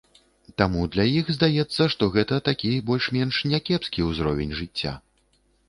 Таму для іх здаецца, што гэта такі больш-менш някепскі ўзровень жыцця.